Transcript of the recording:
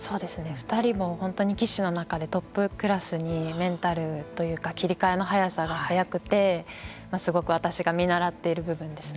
２人も本当に棋士の中でトップクラスにメンタルというか切り替えの早さが早くてすごく私が見習っている部分ですね。